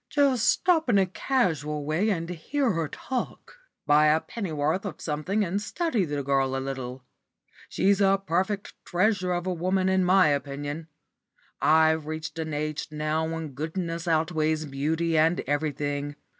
Just stop in a casual way and hear her talk. Buy a pennyworth of something and study the girl a little. She's a perfect treasure of a woman in my opinion. I've reached an age now when goodness outweighs beauty and everything.